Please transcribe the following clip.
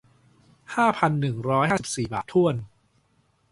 ห้าพันหนึ่งร้อยห้าสิบสี่บาทถ้วน